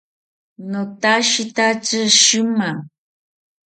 Notashitatzi shima